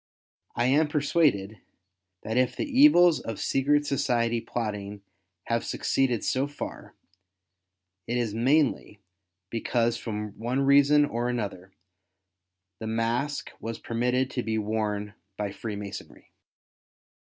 I am persuaded, that if the evils of secret society plotting have succeeded so far, it is mainly, because from one reason or another, the mask was permitted to be worn by Freemasonry.